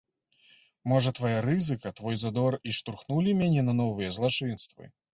Можа, твая рызыка, твой задор і штурхнулі мяне на новыя злачынствы?